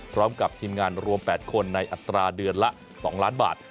พร้อมกับทีมงานรวม๘คนในอัตราเดือนละ๒ล้านบาท